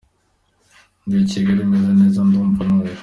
Y: Ndi i Kigali, meze neza ndumva ntuje.